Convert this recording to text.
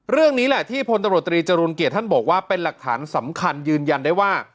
เรื่องนี้แหละที่พลตำรวจตรีจรูลเกียรติท่านบอกว่าเป็นหลักฐานสำคัญยืนยันได้ว่า